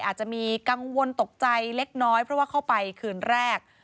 อาจจะมีกังวลตกใจเล็กน้อยเพราะว่าเข้าไปคืนแรก